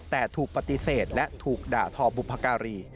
แต่ถูกปฏิเสธและถูกด่าทอบุพการี